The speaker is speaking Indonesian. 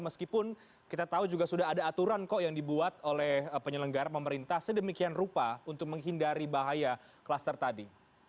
meskipun kita tahu juga sudah ada aturan kok yang dibuat oleh penyelenggara pemerintah sedemikian rupa untuk menghindari bahaya kluster tadi